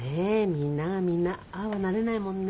みんながみんなああはなれないもんね。